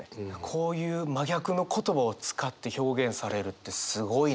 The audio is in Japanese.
こういう真逆の言葉を使って表現されるってすごいなって。